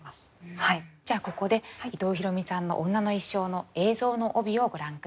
じゃあここで伊藤比呂美さんの「女の一生」の映像の帯をご覧下さい。